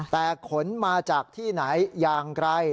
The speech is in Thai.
แต่ขนมาจากที่ไหนอย่างไร